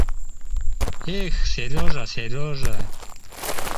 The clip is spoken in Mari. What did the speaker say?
— Эх, Серёжа, Серёжа!